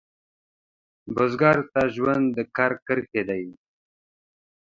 بزګر ته ژوند د کر کرښې دي